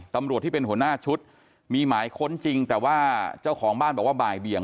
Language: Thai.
ตำรวจที่เป็นหัวหน้าชุดมีหมายค้นจริงแต่ว่าเจ้าของบ้านบอกว่าบ่ายเบี่ยง